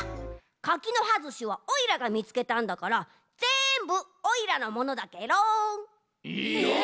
柿の葉ずしはオイラがみつけたんだからぜんぶオイラのものだケロ。え！？